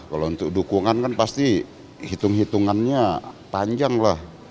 kalau untuk dukungan kan pasti hitung hitungannya panjang lah